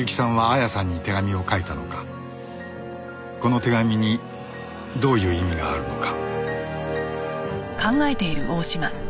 この手紙にどういう意味があるのか